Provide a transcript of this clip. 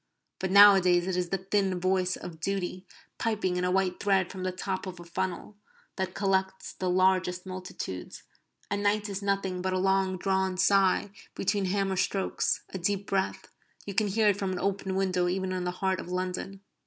But nowadays it is the thin voice of duty, piping in a white thread from the top of a funnel, that collects the largest multitudes, and night is nothing but a long drawn sigh between hammer strokes, a deep breath you can hear it from an open window even in the heart of London.